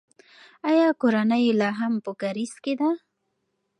آیا کورنۍ یې لا هم په کارېز کې ده؟